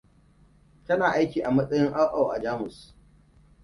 Tana aiki a matsayin au au a Jamus.